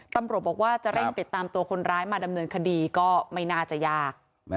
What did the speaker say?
ตำรวจบอกว่าจะเร่งติดตามตัวคนร้ายมาดำเนินคดีก็ไม่น่าจะยาก